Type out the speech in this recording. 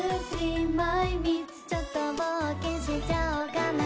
ちょっと冒険しちゃおかな